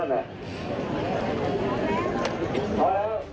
พอแล้ว